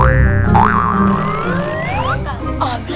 enggak ada asun